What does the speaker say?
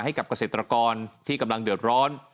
ให้กับเกษตรกรที่กำลังเดือดร้อน